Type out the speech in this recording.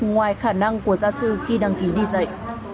ngoài khả năng của gia sư khi đăng ký đi dạy